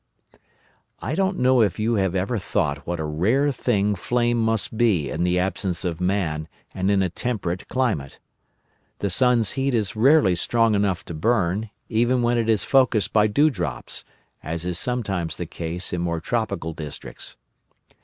"I don't know if you have ever thought what a rare thing flame must be in the absence of man and in a temperate climate. The sun's heat is rarely strong enough to burn, even when it is focused by dewdrops, as is sometimes the case in more tropical districts.